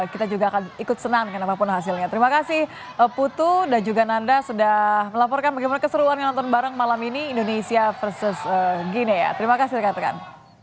kita juga akan ikut senang dengan apapun hasilnya terima kasih putu dan juga nanda sudah melaporkan bagaimana keseruan yang nonton bareng malam ini indonesia versus gini ya terima kasih rekan rekan